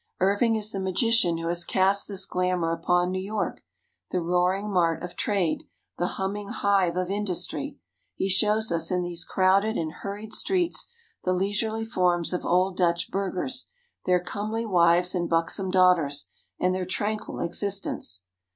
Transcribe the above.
Irving is the magician who has cast this glamour upon New York, the roaring mart of trade, the humming hive of industry. He shows us in these crowded and hurried streets the leisurely forms of old Dutch burghers, their comely wives and buxom daughters, and their tranquil existence.